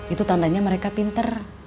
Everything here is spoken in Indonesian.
itu tandanya mereka pinter